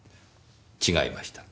違いました。